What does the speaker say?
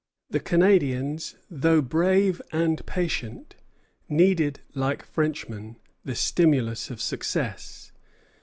The Canadians, though brave and patient, needed, like Frenchmen, the stimulus of success.